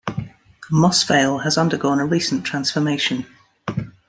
Moss Vale has undergone a recent transformation.